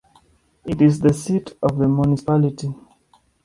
It is the seat of the municipality.